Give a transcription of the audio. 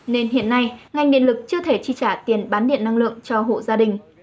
nên hiện nay ngành điện lực chưa thể chi trả tiền bán điện năng lượng cho hộ gia đình